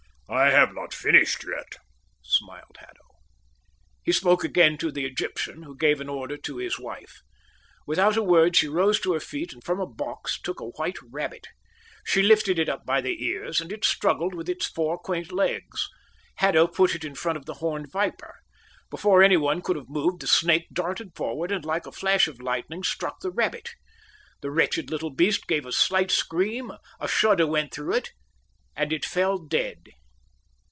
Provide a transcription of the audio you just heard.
"I have not finished yet," smiled Haddo. He spoke again to the Egyptian, who gave an order to his wife. Without a word she rose to her feet and from a box took a white rabbit. She lifted it up by the ears, and it struggled with its four quaint legs. Haddo put it in front of the horned viper. Before anyone could have moved, the snake darted forward, and like a flash of lightning struck the rabbit. The wretched little beast gave a slight scream, a shudder went through it, and it fell dead.